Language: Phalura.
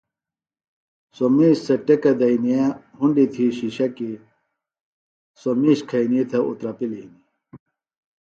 سوۡ مِیش سےۡ ٹیۡکہ دئنیے ہُنڈی تھی شِشکیۡ سوۡ میش کھئنی تھےۡ اُترپِلیۡ ہنیۡ